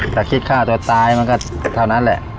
แต่คิดฆ่าตัวตายมันก็เท่านั้นแหละ